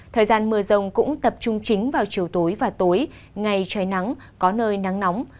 thời gian mưa rông cũng tập trung chính vào chiều tối và tối ngày trời nắng có nơi nắng nóng